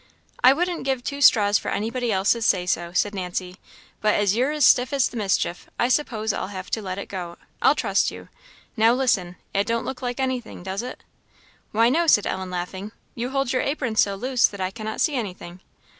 "I wouldn't give two straws for anybody else's say so," said Nancy; "but as you're as stiff as the mischief, I s'pose I'll have to let it go. I'll trust you! Now listen. It don't look like anything, does it?" "Why, no," said Ellen, laughing; "you hold your apron so loose, that I cannot see anything."